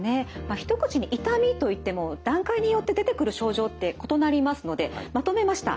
一口に「痛み」と言っても段階によって出てくる症状って異なりますのでまとめました。